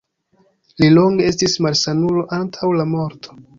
Li longe estis malsanulo antaŭ la morto.